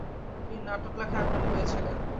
তিনি নাটক লেখায় আগ্রহী হয়েছিলেন।